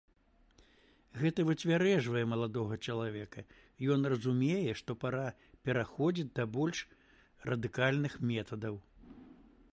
Гэта выцвярэжвае маладога чалавека, ён разумее, што пара пераходзіць да больш радыкальных метадаў.